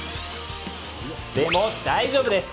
でも、大丈夫です。